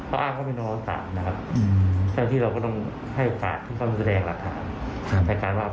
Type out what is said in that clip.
วันนี้ก็ตรวจสอบอีกครั้งหนึ่งครับ